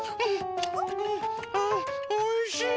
おいしい！